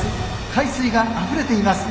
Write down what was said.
海水があふれています。